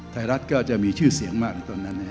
รัฐก็จะมีชื่อเสียงมากในตอนนั้น